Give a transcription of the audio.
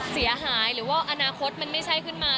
เสียหายหรือว่าอนาคตมันไม่ใช่ขึ้นมา